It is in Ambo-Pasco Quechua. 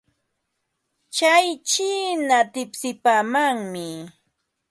Tsay chiina tipsipaamanmi.